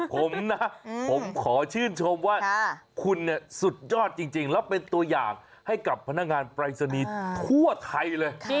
ผมนะผมขอชื่นชมว่าคุณเนี่ยสุดยอดจริงแล้วเป็นตัวอย่างให้กับพนักงานปรายศนีย์ทั่วไทยเลย